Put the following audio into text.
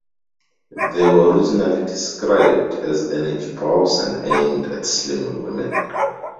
They were originally described as "energy balls" and aimed at slimming women.